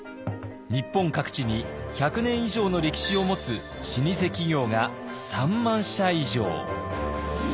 日本各地に百年以上の歴史を持つ老舗企業が３万社以上。